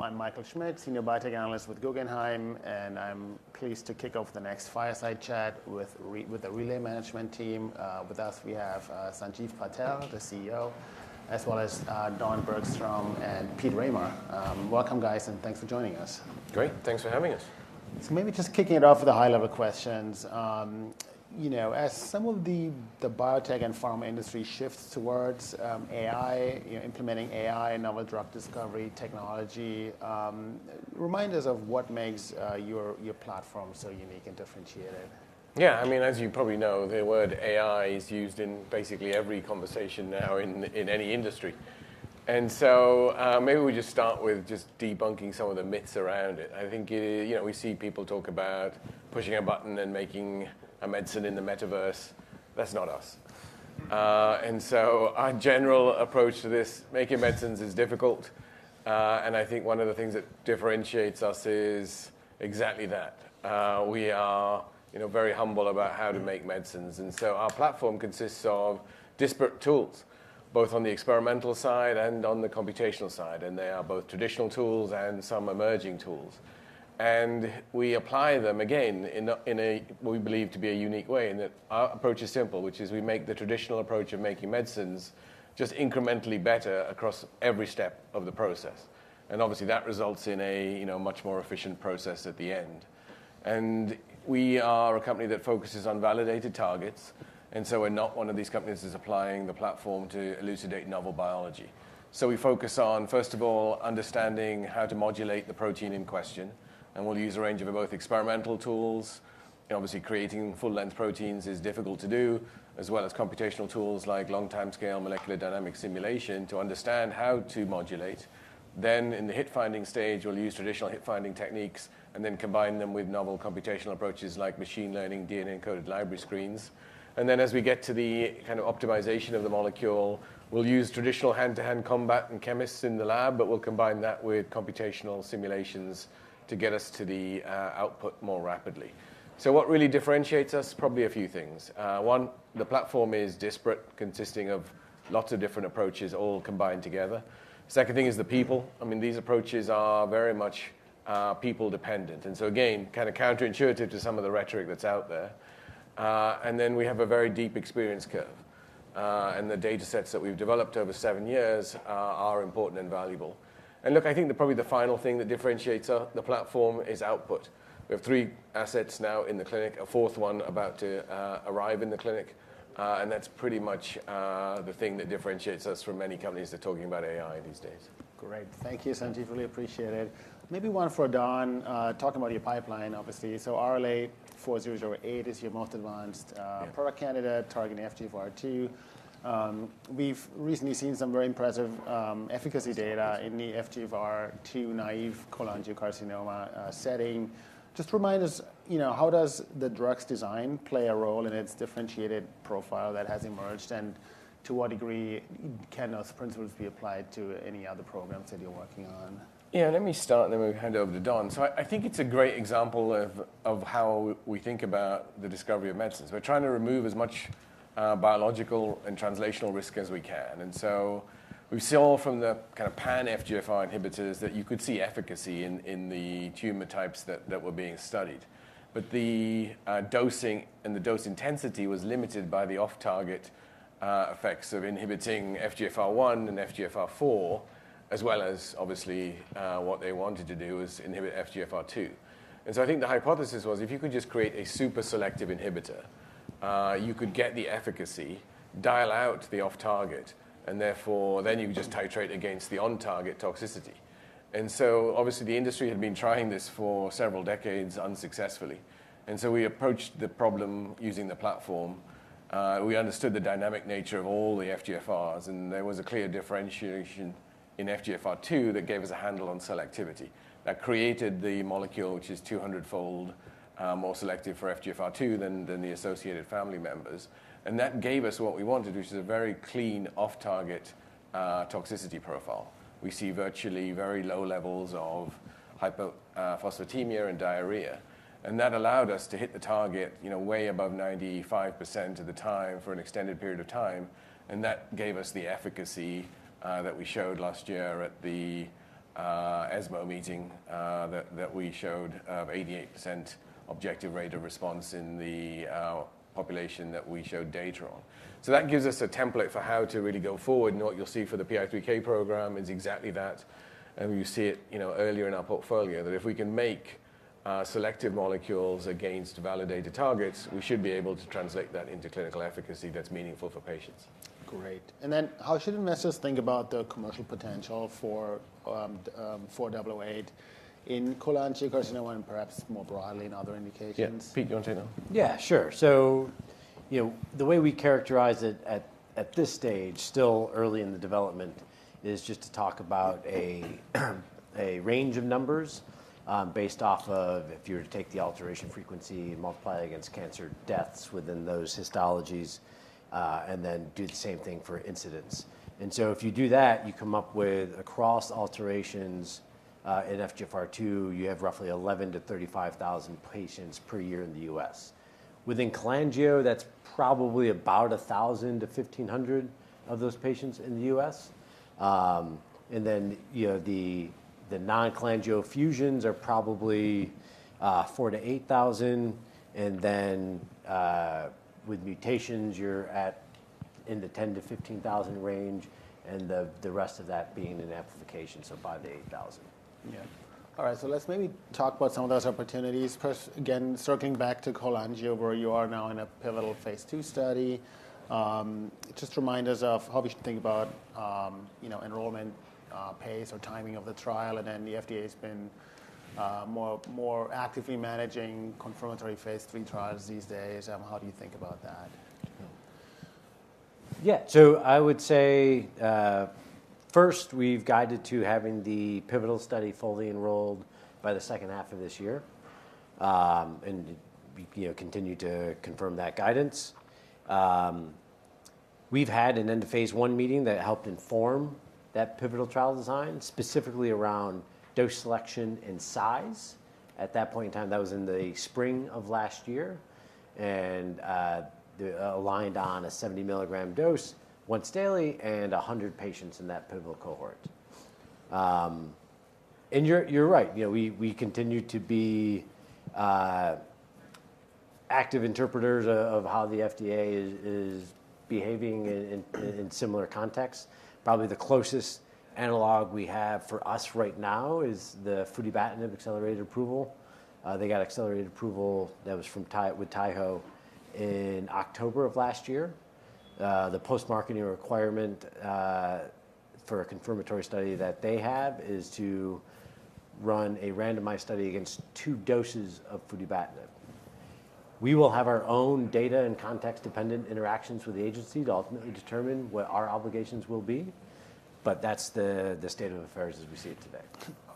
I'm Michael Schmidt, senior biotech analyst with Guggenheim, and I'm pleased to kick off the next Fireside Chat with the Relay management team. With us, we have Sanjiv Patel, the CEO, as well as Don Bergstrom, and Pete Raymer. Welcome, guys, and thanks for joining us. Great. Thanks for having us. Maybe just kicking it off with the high-level questions. You know, as some of the biotech and pharma industry shifts towards AI, implementing AI, novel drug discovery technology, remind us of what makes your platform so unique and differentiated. Yeah, I mean, as you probably know, the word AI is used in basically every conversation now in any industry. Maybe we just start with just debunking some of the myths around it. I think, you know, we see people talk about pushing a button and making a medicine in the metaverse. That's not us. Our general approach to this, making medicines is difficult, and I think one of the things that differentiates us is exactly that. We are, you know, very humble about how to make medicines. Our platform consists of disparate tools, both on the experimental side and on the computational side, and they are both traditional tools and some emerging tools. We apply them, again, in a what we believe to be a unique way, in that our approach is simple, which is we make the traditional approach of making medicines just incrementally better across every step of the process. Obviously, that results in a, you know, much more efficient process at the end. We are a company that focuses on validated targets, we're not one of these companies that's applying the platform to elucidate novel biology. We focus on, first of all, understanding how to modulate the protein in question, and we'll use a range of both experimental tools, you know, obviously creating full-length proteins is difficult to do, as well as computational tools like long-timescale molecular dynamics simulation to understand how to modulate. In the hit finding stage, we'll use traditional hit finding techniques and then combine them with novel computational approaches like machine learning, DNA-encoded library screens. As we get to the kind of optimization of the molecule, we'll use traditional hand-to-hand combat and chemists in the lab, but we'll combine that with computational simulations to get us to the output more rapidly. What really differentiates us? Probably a few things. One, the platform is disparate, consisting of lots of different approaches all combined together. Second thing is the people. I mean, these approaches are very much people dependent. Again, kinda counterintuitive to some of the rhetoric that's out there. We have a very deep experience curve, and the datasets that we've developed over seven years are important and valuable. Look, I think probably the final thing that differentiates, the platform is output. We have 3 assets now in the clinic, a fourth one about to arrive in the clinic, and that's pretty much the thing that differentiates us from many companies that are talking about AI these days. Great. Thank you, Sanjiv. Really appreciate it. Maybe one for Don. Talking about your pipeline, obviously. RLY-4008 is your most advanced. Yeah... product candidate targeting FGFR2. We've recently seen some very impressive efficacy data in the FGFR2-naive cholangiocarcinoma setting. Just remind us, you know, how does the drug's design play a role in its differentiated profile that has emerged? To what degree can those principles be applied to any other programs that you're working on? Yeah, let me start, then we'll hand it over to Don. I think it's a great example of how we think about the discovery of medicines. We're trying to remove as much biological and translational risk as we can. We saw from the kinda pan FGFR inhibitors that you could see efficacy in the tumor types that were being studied. The dosing and the dose intensity was limited by the off-target effects of inhibiting FGFR1 and FGFR4, as well as obviously, what they wanted to do is inhibit FGFR2. I think the hypothesis was if you could just create a super selective inhibitor, you could get the efficacy, dial out the off-target, and therefore then you could just titrate against the on-target toxicity. Obviously, the industry had been trying this for several decades unsuccessfully. We approached the problem using the platform. We understood the dynamic nature of all the FGFRs, and there was a clear differentiation in FGFR2 that gave us a handle on selectivity. That created the molecule, which is 200-fold more selective for FGFR2 than the associated family members. That gave us what we wanted, which is a very clean off-target toxicity profile. We see virtually very low levels of hypophosphatemia and diarrhea. That allowed us to hit the target, you know, way above 95% of the time for an extended period of time, that gave us the efficacy that we showed last year at the ESMO meeting that we showed of 88% objective rate of response in the population that we showed data on. That gives us a template for how to really go forward, and what you'll see for the PI3K program is exactly that, and you see it, you know, earlier in our portfolio, that if we can make selective molecules against validated targets, we should be able to translate that into clinical efficacy that's meaningful for patients. Great. How should investors think about the commercial potential for 4008 in cholangiocarcinoma and perhaps more broadly in other indications? Yeah. Pete, do you wanna take that? Yeah, sure. You know, the way we characterize it at this stage, still early in the development, is just to talk about a range of numbers, based off of if you were to take the alteration frequency, multiply against cancer deaths within those histologies, and then do the same thing for incidents. If you do that, you come up with across alterations in FGFR2, you have roughly 11,000-35,000 patients per year in the U.S. Within cholangio, that's probably about 1,000-1,500 of those patients in the U.S. You know, the non-cholangio fusions are probably 4,000-8,000. With mutations, you're in the 10,000-15,000 range, and the rest of that being in amplification, so 5,000-8,000. Yeah. All right. Let's maybe talk about some of those opportunities. First, again, circling back to cholangio, where you are now in a pivotal phase II study. Just remind us of how we should think about, you know, enrollment, pace or timing of the trial, and then the FDA's been more actively managing confirmatory phase III trials these days. How do you think about that? I would say, first, we've guided to having the pivotal study fully enrolled by the second half of this year. We, you know, continue to confirm that guidance. We've had an end of phase I meeting that helped inform that pivotal trial design, specifically around dose selection and size. At that point in time, that was in the spring of last year and aligned on a 70-mg dose once daily and 100 patients in that pivotal cohort. You're, you're right. You know, we continue to be active interpreters of how the FDA is behaving in similar contexts. Probably the closest analog we have for us right now is the futibatinib accelerated approval. They got accelerated approval that was with Taiho in October of last year. The post-marketing requirement for a confirmatory study that they have is to run a randomized study against two doses of futibatinib. We will have our own data and context-dependent interactions with the agency to ultimately determine what our obligations will be, but that's the state of affairs as we see it today.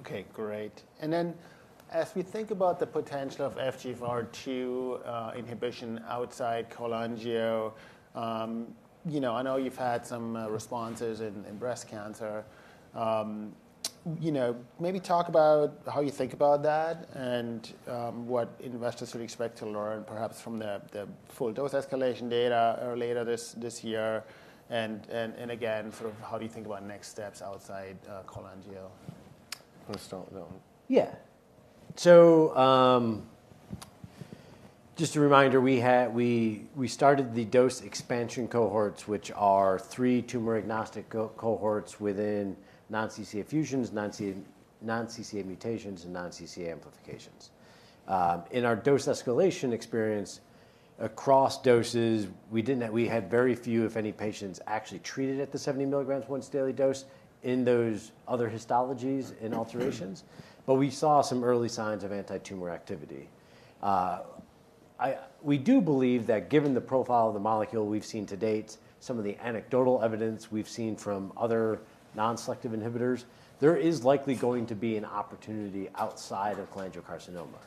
Okay. Great. As we think about the potential of FGFR2 inhibition outside cholangio, you know, I know you've had some responses in breast cancer. You know, maybe talk about how you think about that and what investors should expect to learn perhaps from the full dose escalation data or later this year and again, sort of how do you think about next steps outside cholangio? Want to start with that one? Yeah. Just a reminder, we started the dose expansion cohorts, which are three tumor-agnostic cohorts within non-CCA fusions, non-CCA, non-CCA mutations, and non-CCA amplifications. In our dose escalation experience across doses, we had very few, if any, patients actually treated at the 70 milligrams once daily dose in those other histologies and alterations, but we saw some early signs of antitumor activity. We do believe that given the profile of the molecule we've seen to date, some of the anecdotal evidence we've seen from other non-selective inhibitors, there is likely going to be an opportunity outside of cholangiocarcinoma.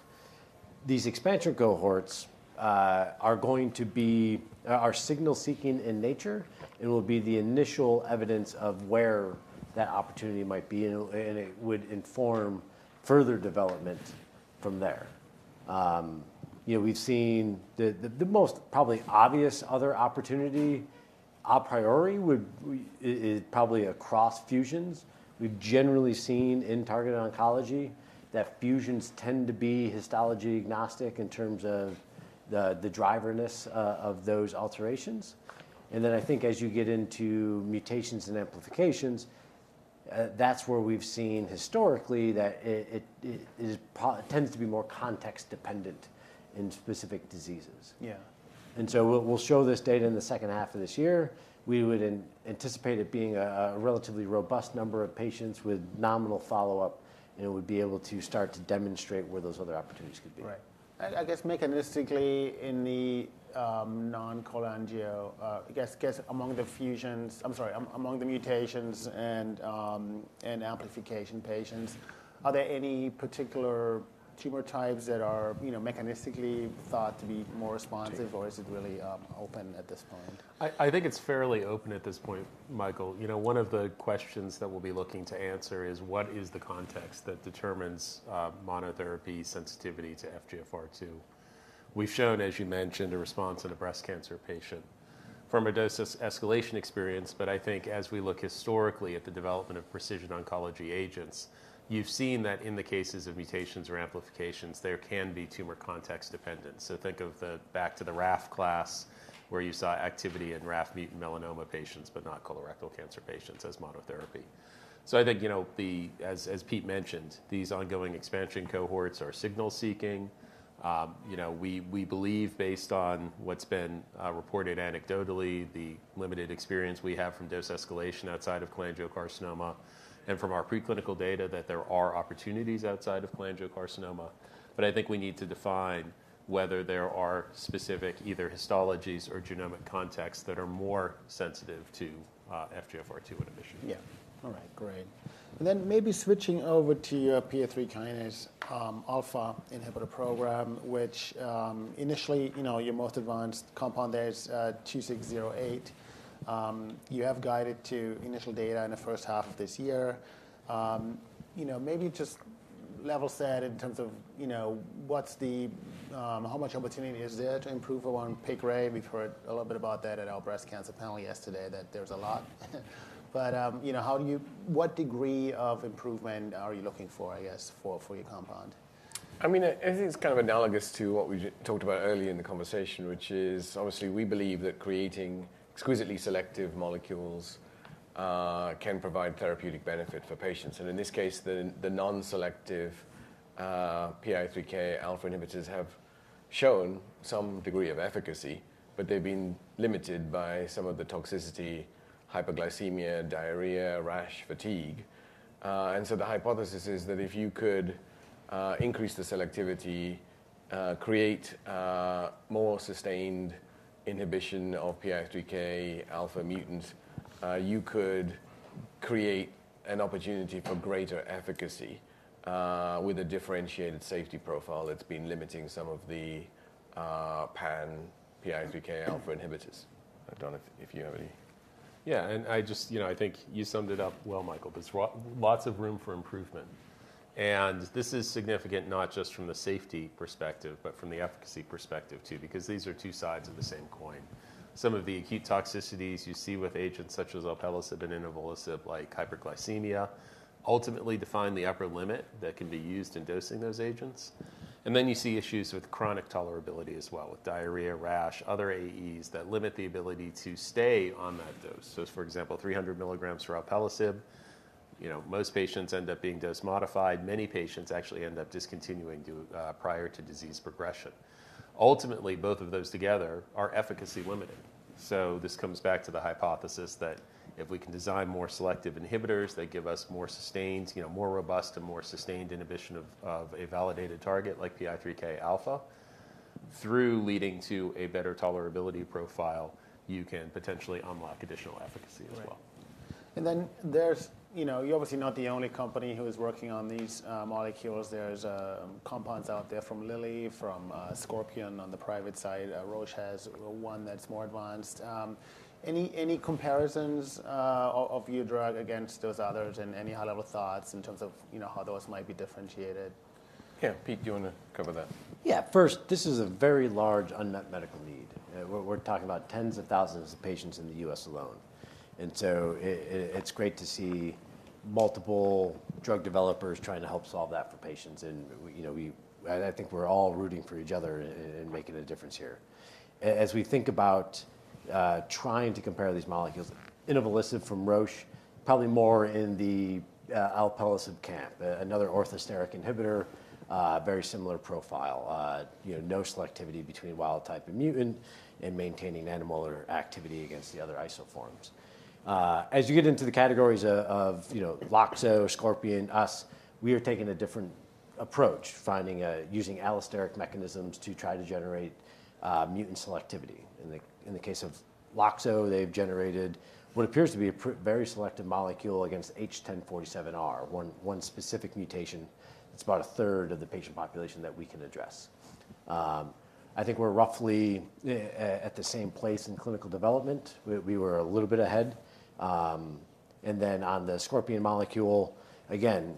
These expansion cohorts are signal-seeking in nature and will be the initial evidence of where that opportunity might be, and it would inform further development from there. You know, we've seen the, the most probably obvious other opportunity a priori is probably across fusions. We've generally seen in targeted oncology that fusions tend to be histology-agnostic in terms of the driverness of those alterations. I think as you get into mutations and amplifications, that's where we've seen historically that it tends to be more context-dependent in specific diseases. Yeah. We'll show this data in the second half of this year. We would anticipate it being a relatively robust number of patients with nominal follow-up, and it would be able to start to demonstrate where those other opportunities could be. Right. I guess mechanistically in the non-cholangio, among the fusions, I'm sorry, among the mutations and amplification patients, are there any particular tumor types that are, you know, mechanistically thought to be more responsive? Or is it really open at this point? I think it's fairly open at this point, Michael. You know, one of the questions that we'll be looking to answer is what is the context that determines monotherapy sensitivity to FGFR2. We've shown, as you mentioned, a response in a breast cancer patient from a dosage escalation experience. I think as we look historically at the development of precision oncology agents, you've seen that in the cases of mutations or amplifications, there can be tumor context dependence. Think back to the RAF class where you saw activity in RAF mutant melanoma patients but not colorectal cancer patients as monotherapy. I think, you know, as Pete mentioned, these ongoing expansion cohorts are signal-seeking. you know, we believe based on what's been reported anecdotally, the limited experience we have from dose escalation outside of cholangiocarcinoma and from our preclinical data that there are opportunities outside of cholangiocarcinoma. I think we need to define whether there are specific either histologies or genomic contexts that are more sensitive to FGFR2 inhibition. Yeah. All right. Great. Maybe switching over to your PI3 kinase alpha inhibitor program, which, initially, you know, your most advanced compound there is RLY-2608. You have guided to initial data in the first half of this year. You know, maybe just level set in terms of, you know, what's the, how much opportunity is there to improve upon PIK3CA? We've heard a little bit about that at our breast cancer panel yesterday that there's a lot. You know, what degree of improvement are you looking for, I guess, for your compound? I mean, I think it's kind of analogous to what we talked about earlier in the conversation, which is obviously we believe that creating exquisitely selective molecules can provide therapeutic benefit for patients. In this case, the non-selective PI3Kα inhibitors have shown some degree of efficacy, but they've been limited by some of the toxicity, hyperglycemia, diarrhea, rash, fatigue. The hypothesis is that if you could increase the selectivity, create more sustained inhibition of PI3Kα mutant, you could create an opportunity for greater efficacy with a differentiated safety profile that's been limiting some of the pan PI3Kα inhibitors. I don't know if you have any... Yeah. You know, I think you summed it up well, Michael. There's lots of room for improvement. This is significant not just from the safety perspective, but from the efficacy perspective too, because these are two sides of the same coin. Some of the acute toxicities you see with agents such as alpelisib and inavolisib like hyperglycemia ultimately define the upper limit that can be used in dosing those agents. You see issues with chronic tolerability as well, with diarrhea, rash, other AEs that limit the ability to stay on that dose. For example, 300 mg for alpelisib, you know, most patients end up being dose modified. Many patients actually end up discontinuing due prior to disease progression. Ultimately, both of those together are efficacy limiting. This comes back to the hypothesis that if we can design more selective inhibitors, they give us more sustained, you know, more robust and more sustained inhibition of a validated target like PI3Kα. Through leading to a better tolerability profile, you can potentially unlock additional efficacy as well. Right. Then there's, you know, you're obviously not the only company who is working on these molecules. There's compounds out there from Lilly, from Scorpion on the private side. Roche has one that's more advanced. Any comparisons of your drug against those others and any high-level thoughts in terms of, you know, how those might be differentiated? Yeah. Pete, do you wanna cover that? First, this is a very large unmet medical need. We're talking about tens of thousands of patients in the U.S. alone. It's great to see multiple drug developers trying to help solve that for patients. We, you know, I think we're all rooting for each other in making a difference here. As we think about trying to compare these molecules, inavolisib from Roche, probably more in the alpelisib camp, another orthosteric inhibitor, very similar profile. You know, no selectivity between wild-type and mutant and maintaining animal or activity against the other isoforms. As you get into the categories of, you know, Loxo, Scorpion, us, we are taking a different approach, using allosteric mechanisms to try to generate mutant selectivity. In the case of Loxo, they've generated what appears to be a very selective molecule against H1047R, one specific mutation that's about 1/3 of the patient population that we can address. I think we're roughly at the same place in clinical development. We were a little bit ahead. Then on the Scorpion molecule, again,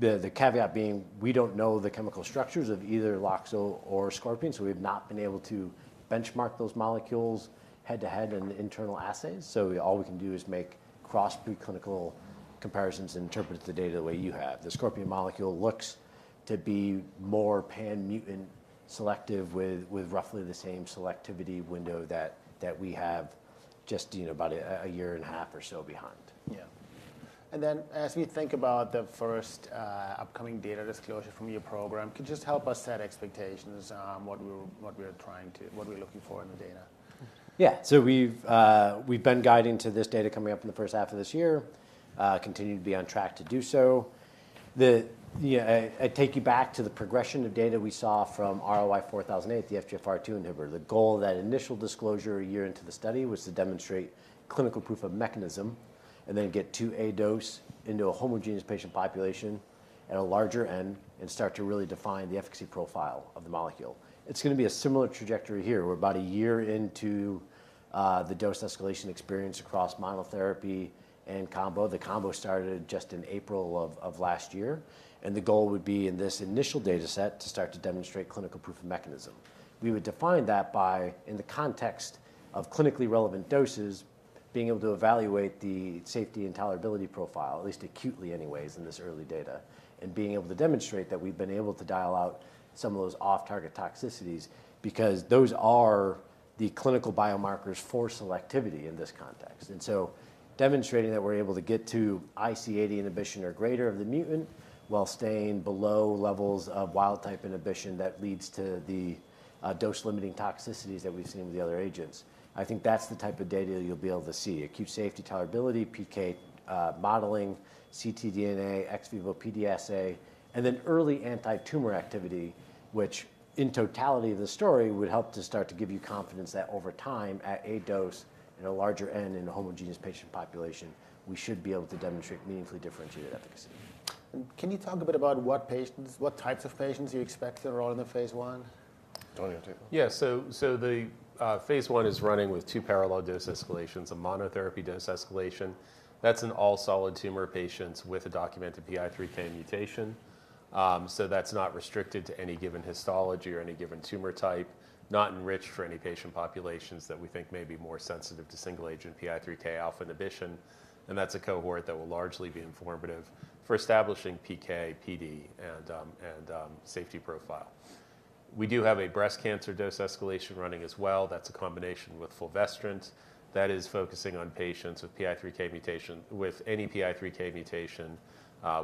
the caveat being we don't know the chemical structures of either Loxo or Scorpion, so we have not been able to benchmark those molecules head-to-head in the internal assays. All we can do is make cross-group clinical comparisons and interpret the data the way you have. The Scorpion molecule looks to be more pan-mutant selective with roughly the same selectivity window that we have just, you know, about a year and a half or so behind. Yeah. As we think about the first upcoming data disclosure from your program, could you just help us set expectations on what we're looking for in the data? Yeah. We've been guiding to this data coming up in the first half of this year, continue to be on track to do so. The I take you back to the progression of data we saw from RLY-4008, the FGFR2 inhibitor. The goal of that initial disclosure a year into the study was to demonstrate clinical proof of mechanism and then get two A dose into a homogeneous patient population at a larger end and start to really define the efficacy profile of the molecule. It's gonna be a similar trajectory here. We're about a year into the dose escalation experience across monotherapy and combo. The combo started just in April of last year, the goal would be in this initial data set to start to demonstrate clinical proof of mechanism. We would define that by, in the context of clinically relevant doses, being able to evaluate the safety and tolerability profile, at least acutely anyways in this early data, and being able to demonstrate that we've been able to dial out some of those off-target toxicities because those are the clinical biomarkers for selectivity in this context. Demonstrating that we're able to get to IC80 inhibition or greater of the mutant while staying below levels of wild-type inhibition that leads to the dose-limiting toxicities that we've seen with the other agents. I think that's the type of data you'll be able to see: acute safety tolerability, PK, modeling, ctDNA, ex vivo PDSA, and then early antitumor activity, which in totality of the story would help to start to give you confidence that over time, at a dose in a larger N in a homogeneous patient population, we should be able to demonstrate meaningfully differentiated efficacy. Can you talk a bit about what types of patients you expect to enroll in the phase I? Yeah. The phase one is running with two parallel dose escalations, a monotherapy dose escalation. That's in all solid tumor patients with a documented PI3K mutation. That's not restricted to any given histology or any given tumor type, not enriched for any patient populations that we think may be more sensitive to single agent PI3Kα inhibition. That's a cohort that will largely be informative for establishing PK, PD, and safety profile. We do have a breast cancer dose escalation running as well. That's a combination with fulvestrant that is focusing on patients with PI3K mutation with any PI3K mutation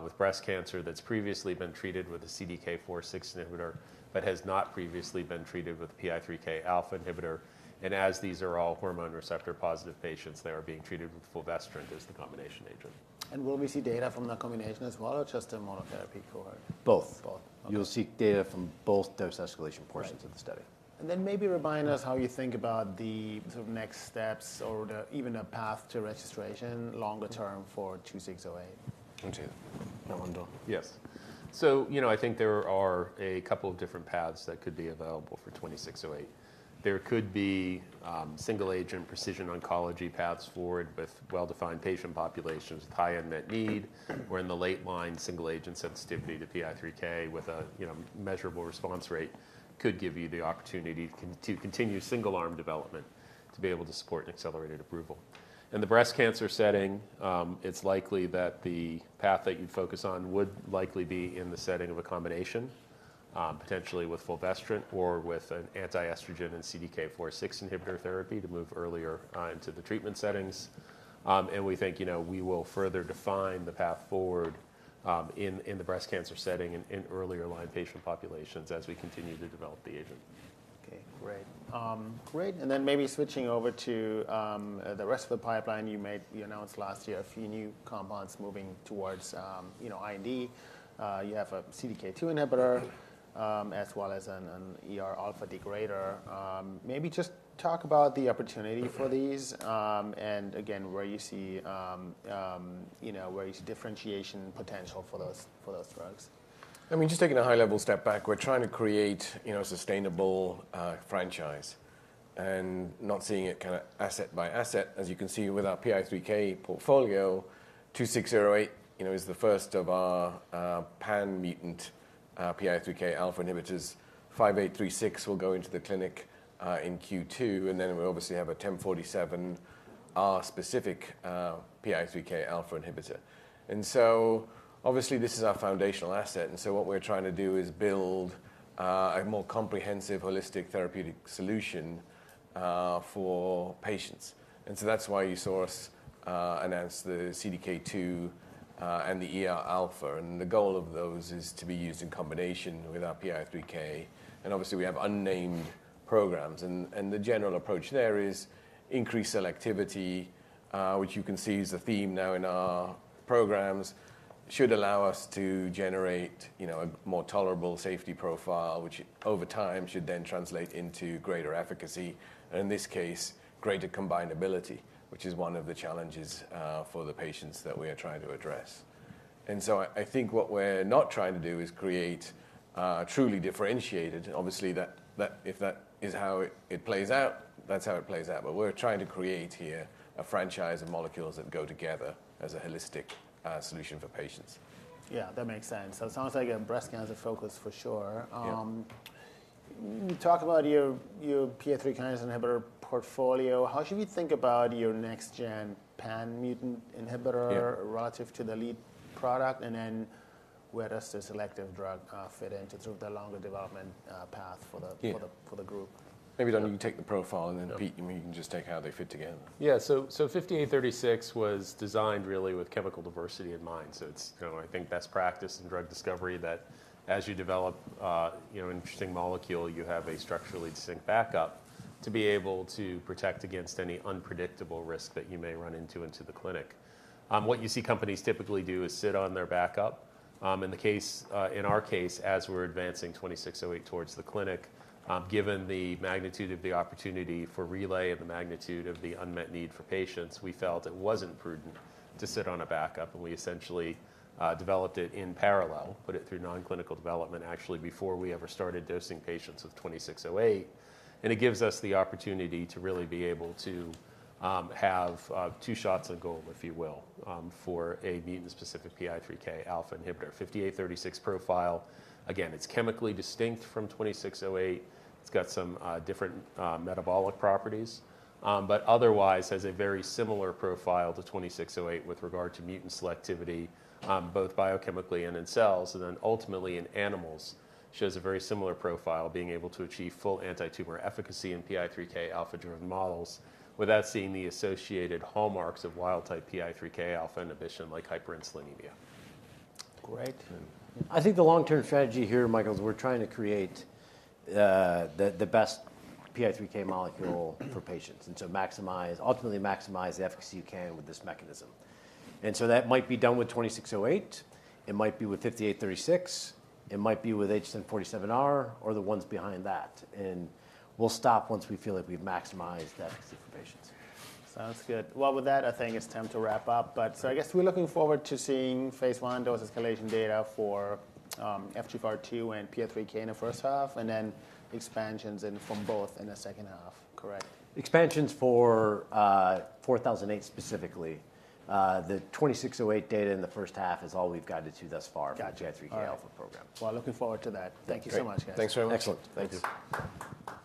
with breast cancer that's previously been treated with a CDK4/6 inhibitor, but has not previously been treated with PI3Kα inhibitor. As these are all hormone receptor-positive patients that are being treated with fulvestrant as the combination agent. Will we see data from the combination as well, or just the monotherapy cohort? Both. Both. Okay. You'll see data from both dose escalation portions of the study. Right. Maybe remind us how you think about the sort of next steps or the even a path to registration longer term for 2608? Okay. No one, Don. Yes. you know, I think there are a couple of different paths that could be available for 2608. There could be single agent precision oncology paths forward with well-defined patient populations with high unmet need, where in the late line single agent sensitivity to PI3K with a, you know, measurable response rate could give you the opportunity to continue single arm development to be able to support an accelerated approval. In the breast cancer setting, it's likely that the path that you'd focus on would likely be in the setting of a combination, potentially with fulvestrant or with an anti-estrogen and CDK4/6 inhibitor therapy to move earlier into the treatment settings. We think, you know, we will further define the path forward, in the breast cancer setting in earlier line patient populations as we continue to develop the agent. Okay, great. Great. Maybe switching over to the rest of the pipeline, you announced last year a few new compounds moving towards, you know, IND. You have a CDK2 inhibitor, as well as an ER alpha degrader. Maybe just talk about the opportunity for these, and again, where you see, you know, where you see differentiation potential for those drugs. I mean, just taking a high-level step back, we're trying to create, you know, a sustainable franchise and not seeing it kinda asset by asset. As you can see with our PI3K portfolio, 2608, you know, is the first of our pan-mutant PI3Kα inhibitors. 5836 will go into the clinic in Q2, then we obviously have a H1047R specific PI3Kα inhibitor. Obviously this is our foundational asset, what we're trying to do is build a more comprehensive holistic therapeutic solution for patients. That's why you saw us announce the CDK2 and the ERα. The goal of those is to be used in combination with our PI3K, and obviously we have unnamed programs and the general approach there is increased selectivity, which you can see is a theme now in our programs should allow us to generate, you know, a more tolerable safety profile, which over time should then translate into greater efficacy, and in this case, greater combinability, which is one of the challenges for the patients that we are trying to address. I think what we're not trying to do is create truly differentiated. Obviously that if that is how it plays out, that's how it plays out. We're trying to create here a franchise of molecules that go together as a holistic solution for patients. Yeah, that makes sense. It sounds like a breast cancer focus for sure. Yeah. You talk about your PI3K kinase inhibitor portfolio. How should we think about your next-gen pan-mutant inhibitor? Yeah... relative to the lead product? Where does the selective drug fit into sort of the longer development path for. Yeah for the group? Maybe, Don, you can take the profile, and then Pete, I mean, you can just take how they fit together. Yeah. RLY-5836 was designed really with chemical diversity in mind. It's, you know, I think best practice in drug discovery that as you develop, you know, an interesting molecule, you have a structurally distinct backup to be able to protect against any unpredictable risk that you may run into the clinic. What you see companies typically do is sit on their backup. In the case, in our case, as we're advancing RLY-2608 towards the clinic, given the magnitude of the opportunity for Relay Therapeutics and the magnitude of the unmet need for patients, we felt it wasn't prudent to sit on a backup, and we essentially developed it in parallel, put it through non-clinical development actually before we ever started dosing patients with RLY-2608. It gives us the opportunity to really be able to have two shots on goal, if you will, for a mutant-specific PI3Kα inhibitor. RLY-5836 profile, again, it's chemically distinct from RLY-2608. It's got some different metabolic properties, but otherwise has a very similar profile to RLY-2608 with regard to mutant selectivity, both biochemically and in cells, and then ultimately in animals. Shows a very similar profile, being able to achieve full anti-tumor efficacy in PI3Kα-driven models without seeing the associated hallmarks of wild-type PI3Kα inhibition like hyperinsulinemia. Great. I think the long-term strategy here, Michael, is we're trying to create the best PI3K molecule for patients, ultimately maximize the efficacy you can with this mechanism. That might be done with RLY-2608, it might be with RLY-5836, it might be with H1047R or the ones behind that. We'll stop once we feel like we've maximized the efficacy for patients. Sounds good. With that, I think it's time to wrap up. I guess we're looking forward to seeing phase 1 dose escalation data for FGFR2 and PI3K in the first half, and then expansions in from both in the second half, correct? Expansions for RLY-4008 specifically. The RLY-2608 data in the first half is all we've guided to thus far. Got you. All right. for the PI3K alpha program. Well, looking forward to that. Thank you so much, guys. Thanks very much. Excellent. Thank you.